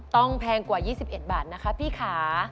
แพงกว่า๒๑บาทนะคะพี่ค่ะ